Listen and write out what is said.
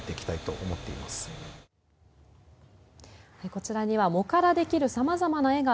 こちらには藻からできる様々な絵が